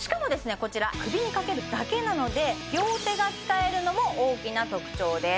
こちら首にかけるだけなので両手が使えるのも大きな特長です